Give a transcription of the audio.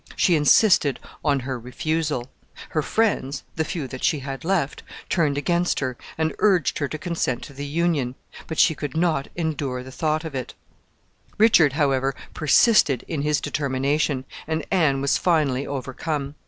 She insisted on her refusal. Her friends the few that she had left turned against her, and urged her to consent to the union; but she could not endure the thought of it. [Illustration: RICHARD III.] Richard, however, persisted in his determination, and Anne was finally overcome.